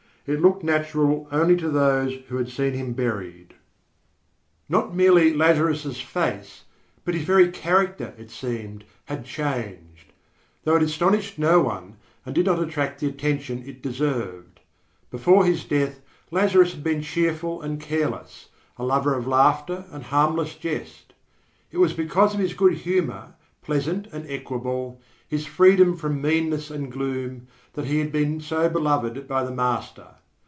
It looked natural only to those who had seen him buried. Not merely Lazarus' face, but his very character, it seemed, had changed; though it astonished no one and did not attract the attention it deserved. Before his death Lazarus had been cheerful and careless, a lover of laughter and harmless jest. It was because of his good humour, pleasant and equable, his freedom from meanness and gloom, that he had been so beloved by the Master.